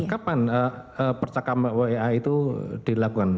kapan percakapan wa itu dilakukan